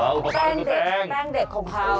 แป้งเด็กแป้งเด็กของเขา